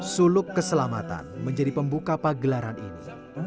suluk keselamatan menjadi pembuka pagelaran ini